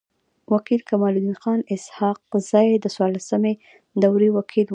و کيل کمال الدین خان اسحق زی د څوارلسمي دوری وکيل وو.